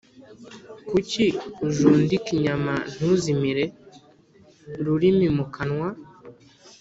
Kuki ujundika inyama ntuzimire ?-Ururimi mu kanwa.